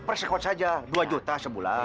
persekot saja dua juta sebulan